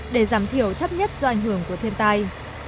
để giảm thiểu thấp nhất do ảnh hưởng của thiên tai